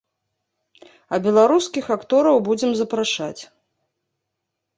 А беларускіх актораў будзем запрашаць.